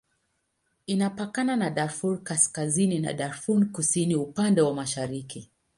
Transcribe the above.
Inapakana na Darfur Kaskazini na Darfur Kusini upande wa mashariki.